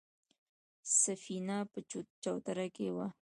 سفينه په چوتره کې وه.